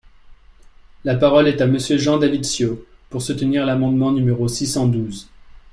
La parole est à Monsieur Jean-David Ciot, pour soutenir l’amendement numéro six cent douze.